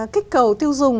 kích cầu tiêu dùng